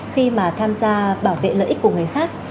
khi mà tham gia bảo vệ lợi ích của người khác